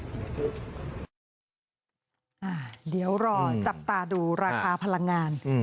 เดี๋ยวรอจับตาดูราคาพลังงาน